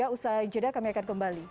usai jeda kami akan kembali